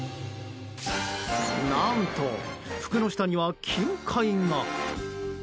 何と、服の下には金塊が。